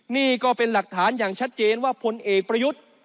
นี่ก็เป็นหลักฐานอย่างชัดเจนว่าพลเอกประยุทธ์